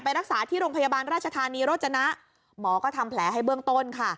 รักษาที่โรงพยาบาลราชธานีโรจนะหมอก็ทำแผลให้เบื้องต้นค่ะ